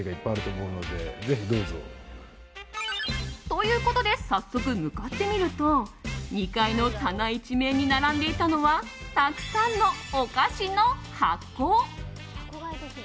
ということで早速、向かってみると２階の棚一面に並んでいたのはたくさんのお菓子の箱。